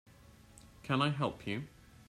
Can I help you?